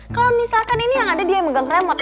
kalo misalkan ini yang ada dia yang pegang remote